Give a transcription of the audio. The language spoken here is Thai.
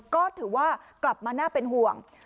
ก็ถือว่ากลับมาน่าเป็นห่วง